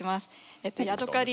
えっとヤドカリ